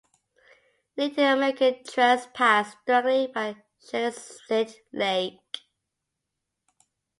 Native American trails pass directly by Shenipsit Lake.